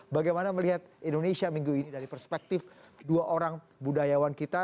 bagaimana melihat indonesia minggu ini dari perspektif dua orang budayawan kita